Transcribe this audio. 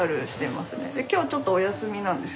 で今日はちょっとお休みなんですけど。